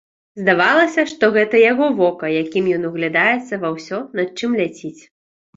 Здавалася, што гэта яго вока, якім ён углядаецца ва ўсё, над чым ляціць.